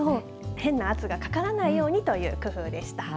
変な圧がかからないようにという工夫でした。